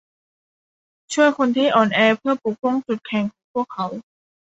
ช่วยคนที่อ่อนแอเพื่อปกป้องจุดแข็งของพวกเขา